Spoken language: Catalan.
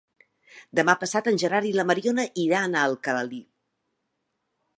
Demà passat en Gerard i na Mariona iran a Alcalalí.